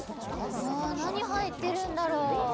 あなにはいってるんだろう？